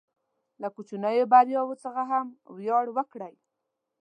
له کوچنیو بریاوو څخه هم ویاړ وکړئ.